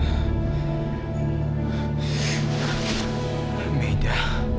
kanicking mulian di depan apa juga